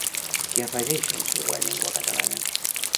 Què afegeixen sobre la llengua catalana?